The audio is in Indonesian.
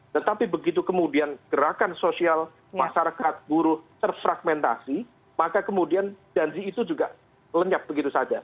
tetapi begitu kemudian gerakan sosial masyarakat buruh terfragmentasi maka kemudian janji itu juga lenyap begitu saja